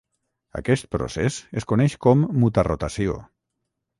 Aquest procés es coneix com mutarotació.